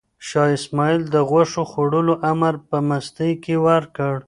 شاه اسماعیل د غوښو خوړلو امر په مستۍ کې ورکړ.